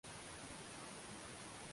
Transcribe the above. Chupa za maji zimeoshwa.